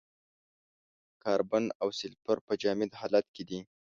کاربن او سلفر په جامد حالت کې دي.